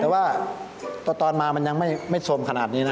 แต่ว่าตอนมามันยังไม่สมขนาดนี้นะ